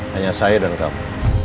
hanya saya dan kamu